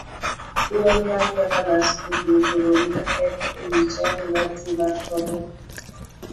Duol mar gavanas oluongo romo makende ewii chanjo mar tuo mar corona.